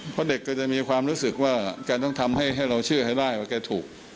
เพราะเด็กก็จะมีความรู้สึกว่าแกต้องทำให้เราเชื่อให้ได้ว่าแกถูก